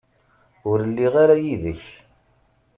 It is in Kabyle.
Ur lliɣ ara yid-k.